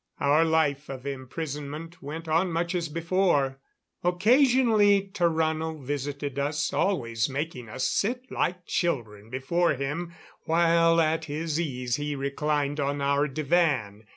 Our life of imprisonment went on much as before. Occasionally, Tarrano visited us, always making us sit like children before him, while at his ease he reclined on our divan.